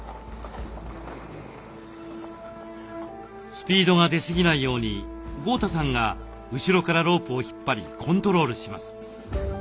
スピードが出すぎないように豪太さんが後ろからロープを引っ張りコントロールします。